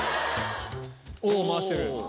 おぉ回してる！